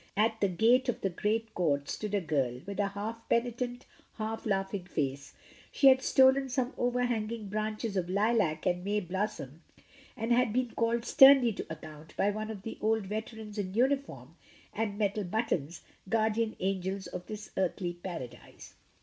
At the gate of the great court stood a girl, with a half penitent, half laughing face; she had stolen some overhang ing branches of lilac and May blossom, and had been called sternly to account by one of the old veterans in uniform and metal buttons, guardian angels of this earthly paradise.